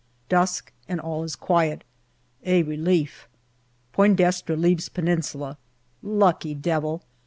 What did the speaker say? Dusk, and all is quiet. A relief. Poign Destre leaves Peninsula. Lucky devil